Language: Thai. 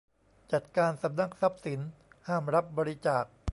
จัดการสำนักทรัพย์สิน ห้ามรับบริจาค